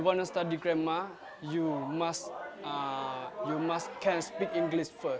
kalau anda ingin belajar grammar anda harus bisa berbicara bahasa inggris dulu